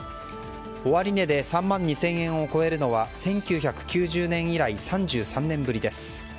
終値で３万２０００円を超えるのは１９９０年以来３３年ぶりです。